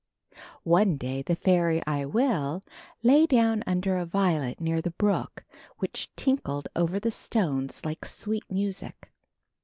One day the fairy, I Will, lay down under a violet near the brook which tinkled over the stones like sweet music.